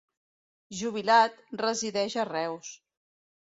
Jubilat, resideix a Reus.